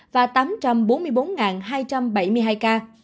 và tám trăm bốn mươi bốn hai trăm bảy mươi hai ca